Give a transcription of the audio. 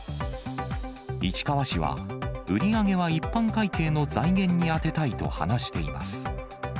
市川市は、売り上げは一般会計の財源に充てたいと話しています。